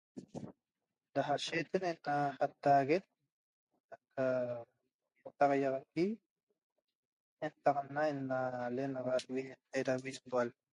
Da asheten eca ataguet na tahiaxaqui entaxana ena lenaxat billetera virtual